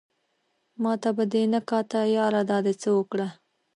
ماته به دې نه کاته ياره دا دې څه اوکړه